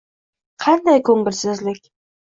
Qanday ko'ngilsizlik!